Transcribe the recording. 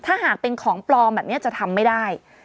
ถ้าหากเป็นของปลอมแบบนี้จะทำไม่ได้